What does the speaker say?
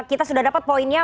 kita sudah dapat poinnya